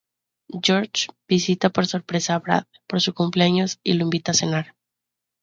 George visita por sorpresa a Brad por su cumpleaños y lo invita a cenar.